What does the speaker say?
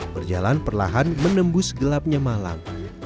berjalan perlahan menembus gelapnya malam